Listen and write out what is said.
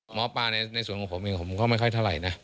หมอปลาในส่วนของผมเองผมก็ไม่ค่อยเท่าไหร่นะ